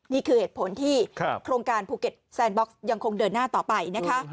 นี่คือเหตุผลที่โครงการภูเก็ตแซนบ็อกซ์ยังคงเดินหน้าต่อไปนะคะ